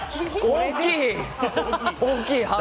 大きい。